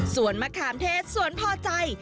ส่วนมะขามเทศสวนพอใจ